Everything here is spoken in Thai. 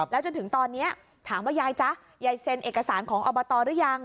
จนถึงตอนนี้ถามว่ายายจ๊ะยายเซ็นเอกสารของอบตหรือยัง